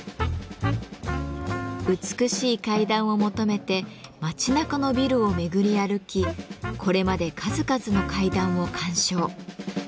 美しい階段を求めて街なかのビルを巡り歩きこれまで数々の階段を鑑賞。